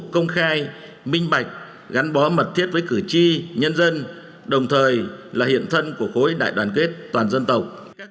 công khai minh bạch gắn bó mật thiết với cử tri nhân dân đồng thời là hiện thân của khối đại đoàn kết toàn dân tộc